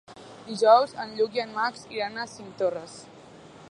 Dijous en Lluc i en Max iran a Cinctorres.